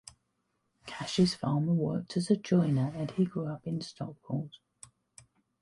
Cash's father worked as a joiner and he grew up in Stockport.